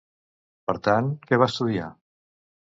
Per tant, què va estudiar?